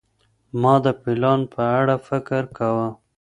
ما د پلان په اړه فکر کاوه.